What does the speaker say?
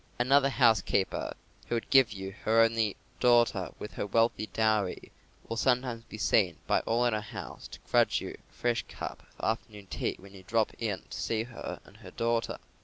Another housekeeper, who would give you her only daughter with her wealthy dowry, will sometimes be seen by all in her house to grudge you a fresh cup of afternoon tea when you drop in to see her and her daughter.